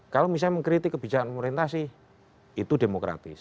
kalau misalnya mengkritik kebijakan pemerintah sih itu demokratis